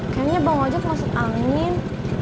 kayaknya bang ojek masuk angin